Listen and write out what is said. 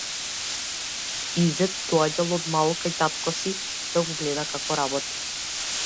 Изет доаѓал од мал кај татко си, да го гледа како работи.